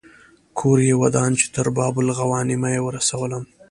کور یې ودان چې تر باب الغوانمه یې ورسولم.